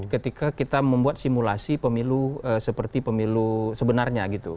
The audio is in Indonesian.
ketika kita membuat simulasi pemilu seperti pemilu sebenarnya gitu